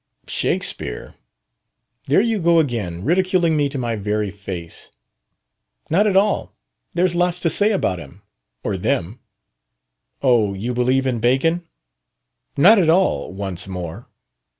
"Shakespeare! There you go again! Ridiculing me to my very face!" "Not at all. There's lots to say about him or them." "Oh, you believe in Bacon!" "Not at all once more.